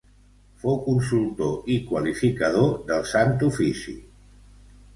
Fou consultor i qualificador del Sant Ofici.